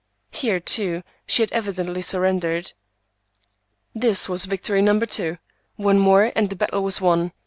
Here, too, she had evidently surrendered. This was victory number two. One more and the battle was won.